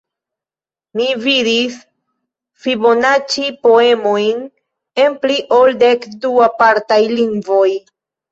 Mi vidis fibonaĉi-poemojn en pli ol dek du apartaj lingvoj.